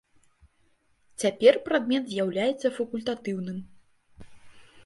Цяпер прадмет з'яўляецца факультатыўным.